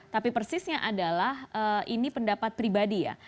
tapi persisnya adalah ini pendapat pribadi ya